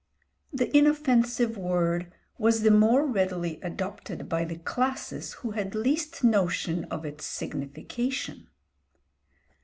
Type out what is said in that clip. The inoffensive word was the more readily adopted by the classes who had least notion of its signification.